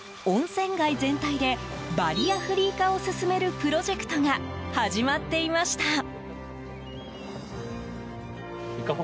温泉街全体でバリアフリー化を進めるプロジェクトが始まっていました。